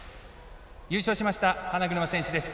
優勝しました花車選手です。